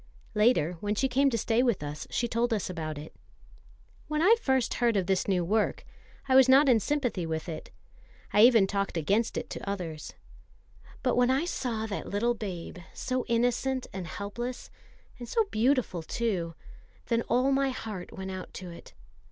Later, when she came to stay with us, she told us about it. "When first I heard of this new work, I was not in sympathy with it. I even talked against it to others. But when I saw that little babe, so innocent and helpless, and so beautiful too, then all my heart went out to it.